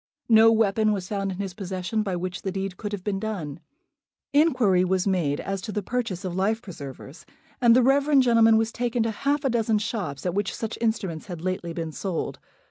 No weapon was found in his possession by which the deed could have been done. Inquiry was made as to the purchase of life preservers, and the reverend gentleman was taken to half a dozen shops at which such instruments had lately been sold.